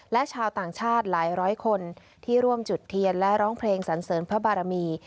และชาวต่างชาติหลายร้อยคนที่ร่วมจุดเทียนและร้องเพลงสันเสริญพระบารมี